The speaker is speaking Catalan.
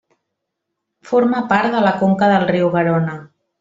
Forma part de la conca del riu Garona.